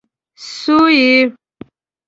سويي